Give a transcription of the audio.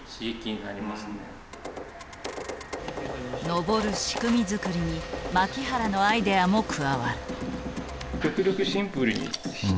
登る仕組み作りに槙原のアイデアも加わる。